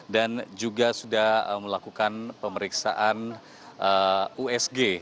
dan juga sudah melakukan pemeriksaan usg